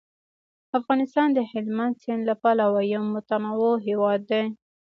افغانستان د هلمند سیند له پلوه یو متنوع هیواد دی.